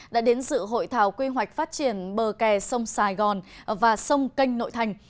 đã đến dự hội thảo quy hoạch phát triển bờ kè sông sài gòn và sông canh nội thành